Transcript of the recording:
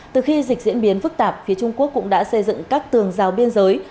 từ khi dịch diễn biến phức tạp phía trung quốc cũng đã xây dựng các tường rào biên giới